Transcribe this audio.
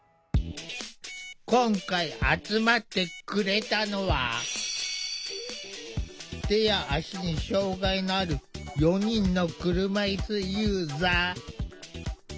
今回集まってくれたのは手や足に障害のある４人の車いすユーザー。